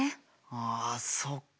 あそっか。